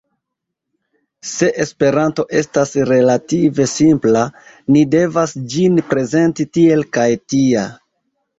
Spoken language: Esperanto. Se Esperanto estas relative simpla, ni devas ĝin prezenti tiel kaj tia.